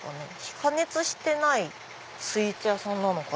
加熱してないスイーツ屋さんなのかな？